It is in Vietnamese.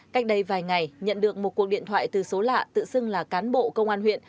cách đây vài ngày nhận được một cuộc điện thoại từ số lạ tự xưng là cán bộ công an huyện